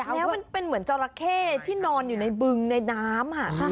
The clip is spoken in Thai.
แล้วมันเป็นเหมือนจราเข้ที่นอนอยู่ในบึงในน้ำ